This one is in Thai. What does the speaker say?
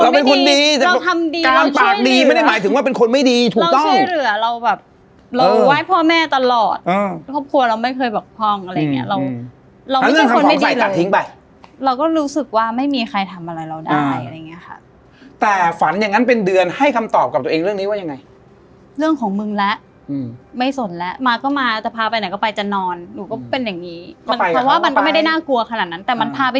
มันก็เราไม่ใช่เป็นคนไม่ดีเราทำดีเราช่วยเหลือ